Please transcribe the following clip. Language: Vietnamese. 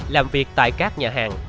làm việc tại các nhà hàng